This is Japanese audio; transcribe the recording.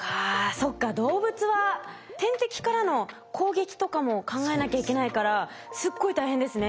そっか動物は天敵からの攻撃とかも考えなきゃいけないからすっごい大変ですね